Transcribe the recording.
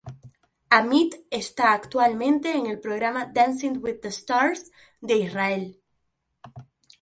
Amit esta actualmente en el programa "Dancing With The Stars" de Israel.